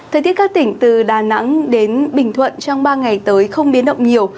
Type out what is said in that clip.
thời tiết các tỉnh từ đà nẵng đến bình thuận trong ba ngày tới không biến động nhiều